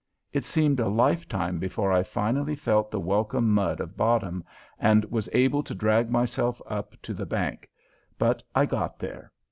It seemed a lifetime before I finally felt the welcome mud of bottom and was able to drag myself up to the bank, but I got there.